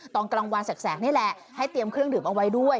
ตอนกลางวันแสกนี่แหละให้เตรียมเครื่องดื่มเอาไว้ด้วย